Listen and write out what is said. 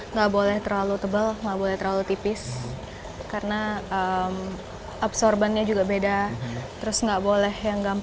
nggak boleh terlalu tebal nggak boleh terlalu tipis karena absorbannya juga beda terus nggak boleh yang gampang